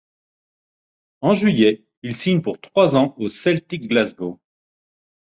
En juillet, il signe pour trois ans au Celtic Glasgow.